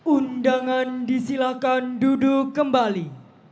undangan disilakan duduk kembali